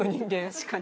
確かに。